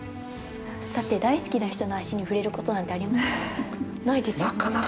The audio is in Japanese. だって大好きな人の足に触れることなんてありますか？